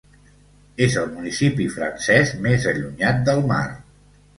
És el municipi francès més allunyat del mar.